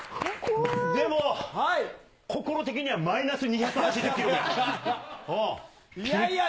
でも、心的にはマイナス２８０キロぐらい。